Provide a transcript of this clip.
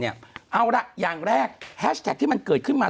เอาล่ะอย่างแรกแฮชแท็กที่มันเกิดขึ้นมา